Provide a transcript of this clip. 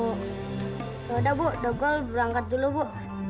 udah bu udah gue berangkat dulu bu